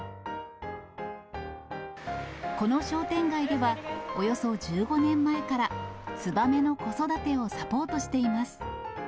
この商店街では、およそ１５年前から、ツバメの子育てをサポートしています。